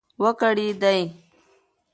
و کړېدی .